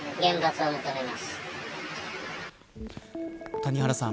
谷原さん